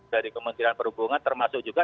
dari kementerian perhubungan termasuk juga